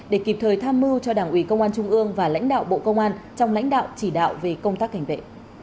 để kịp thời tham mưu cho đảng ủy công an trung ương và lãnh đạo bộ công an trong lãnh đạo chỉ đạo về công tác cảnh vệ